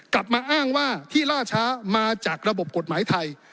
กลับมาอ้างว่าที่ล่าช้ามาจากระบบกฎหมายไทย